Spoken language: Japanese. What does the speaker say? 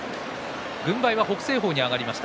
軍配は北青鵬に上がりました。